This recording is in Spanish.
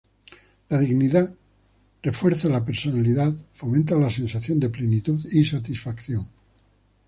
La dignidad refuerza la personalidad, fomenta la sensación de plenitud y satisfacción.